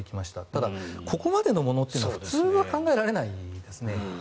ただ、ここまでのものというのは普通考えられないですね。